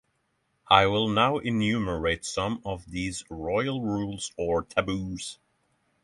I will now enumerate some of these royal rules or taboos.